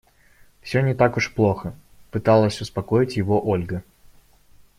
«Всё не так уж плохо», - пыталась успокоить его Ольга.